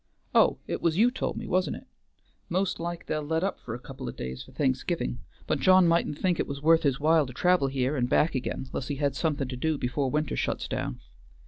Oh, 't was you told me, wa'n't it? Most like they'll let up for a couple o' days for Thanksgivin', but John mightn't think't was wuth his while to travel here and back again 'less he had something to do before winter shets down.